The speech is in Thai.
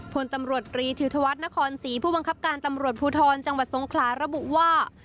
พลตำรวจตรีธิธวัฒนครศรีผู้บังคับการตำรวจภูทรจังหวัดสงขลาระบุว่า